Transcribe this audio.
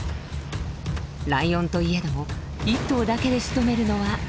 ライオンといえども１頭だけでしとめるのは困難です。